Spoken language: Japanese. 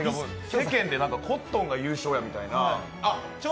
世間でコットンが優勝やみたいな。